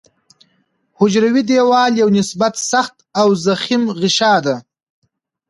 حجروي دیوال یو نسبت سخت او ضخیم غشا ده.